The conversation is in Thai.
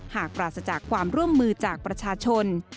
ปราศจากความร่วมมือจากประชาชน